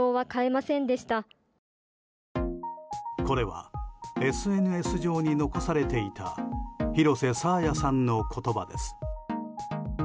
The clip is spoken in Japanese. これはＳＮＳ上に残されていた広瀬爽彩さんの言葉です。